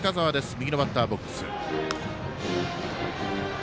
右のバッターボックス。